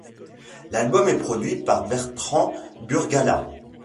L'album est produit par Bertrand Burgalat.